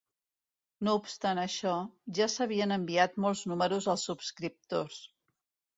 No obstant això, ja s'havien enviat molts números als subscriptors.